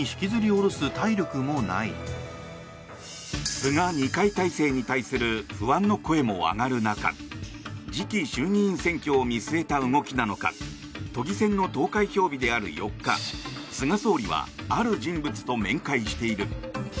菅・二階体制に対する不安の声も上がる中次期衆議院選挙を見据えた動きなのか都議選の投開票日である４日菅総理はある人物と面会している。